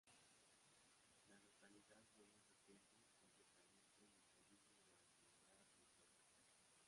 La localidad fue mucho tiempo completamente en el dominio de la comunidad religiosa.